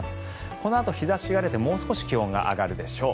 このあと日差しが出てもう少し気温が上がるでしょう。